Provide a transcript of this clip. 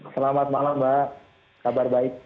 selamat malam mbak kabar baik